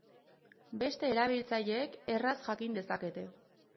Beste erabiltzaileek erraz jakin dezakete.